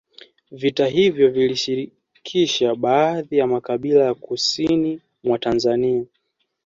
Vita hivyo vilishirikisha baadhi ya makabila ya kusini mwa Tanzania